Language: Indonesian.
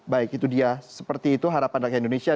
baik itu dia seperti itu harapan rakyat indonesia